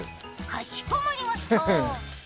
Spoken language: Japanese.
かしこまりました。